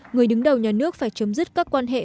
người đứng đầu nhà nước phải chấm dứt các quan hệ